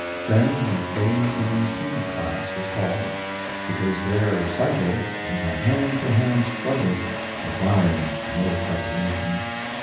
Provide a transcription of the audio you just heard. Then the A B C class was called, because their recital was a hand to hand struggle, requiring no preparation.